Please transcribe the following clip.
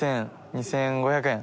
２，５００円。